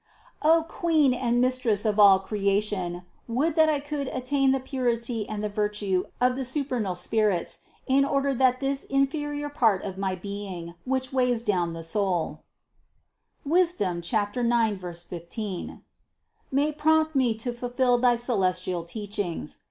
— O Queen and Mistress of all creation, would that I could attain the purity and the virtue of the supernal spirits, in order that this inferior part of my being, which weighs down the soul (Sap. 9, 15), may prompt me to fulfill thy celestial teachings.